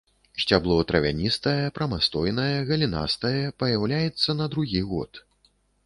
Сцябло травяністае, прамастойнае, галінастае, паяўляецца на другі год.